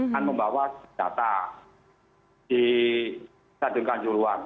kan membawa data di satu kanjuruan